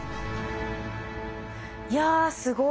いやすごい。